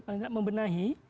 paling tidak membenahi